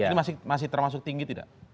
ini masih termasuk tinggi tidak